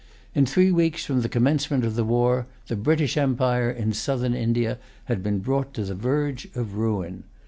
In three weeks from the commencement of the war, the British empire in Southern India had been brought to the verge of ruin.